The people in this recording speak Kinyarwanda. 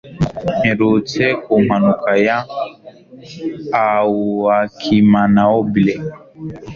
Mperutse mu mpanuka ya auAkimanaobile.